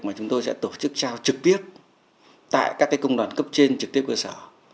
mà chúng tôi sẽ tổ chức trao trực tiếp tại các công đoàn cấp trên trực tiếp cơ sở